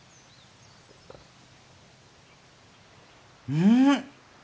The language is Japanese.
うん！